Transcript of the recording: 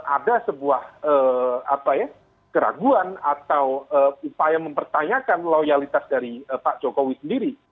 ada sebuah keraguan atau upaya mempertanyakan loyalitas dari pak jokowi sendiri